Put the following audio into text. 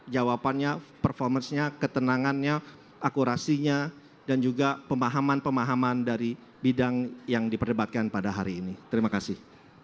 jawabannya performance nya ketenangannya akurasinya dan juga pemahaman pemahaman dari bidang yang diperdebatkan pada hari ini terima kasih